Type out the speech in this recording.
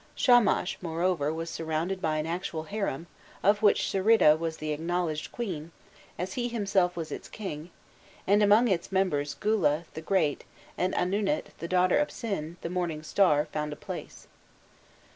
Shamash, moreover, was surrounded by an actual harem, of which Sirrida was the acknowledged queen, as he himself was its king, and among its members Gula, the great, and Anunit, the daughter of Sin, the morning star, found a place.